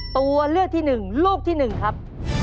ตัวเลือกที่หนึ่งลูกที่หนึ่งครับ